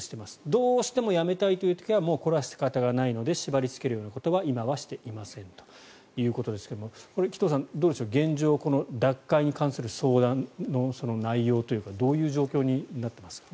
どうしてもやめたいという時はもうこれは仕方がないので縛りつけるようなことは今はしていませんということですがこれは紀藤さん現状どうでしょう脱会に関する相談というのはどういう状況になってますか。